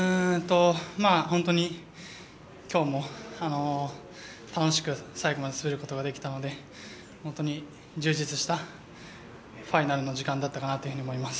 本当に今日も楽しく最後まで滑ることができたので本当に充実したファイナルの時間だったかなと思います。